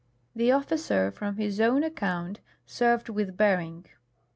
The officer, from his own account, served with Bering.